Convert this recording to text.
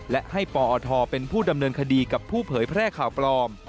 และให้ปอทเป็นผู้ดำเนินคดีกับผู้เผยแพร่ข่าวปลอม